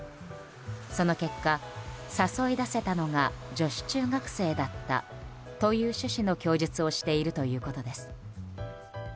その結果、誘い出せたのが女子中学生だったという趣旨の供述をしているということです。